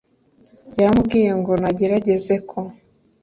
yaramubwiyengo nagerageze ko